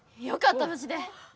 よかったぶじで！